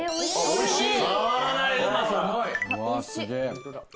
おいしい。